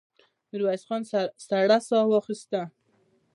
ميرويس خان سړه سا وايسته.